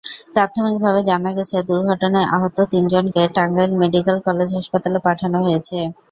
প্রাথমিকভাবে জানা গেছে, দুর্ঘটনায় আহত তিনজনকে টাঙ্গাইল মেডিকেল কলেজ হাসপাতালে পাঠানো হয়েছে।